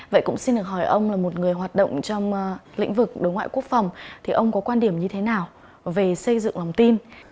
vậy cũng xin được hỏi ông là một người hoạt động trong lĩnh vực đối ngoại quốc phòng thì ông có quan điểm như thế nào về xây dựng lòng tin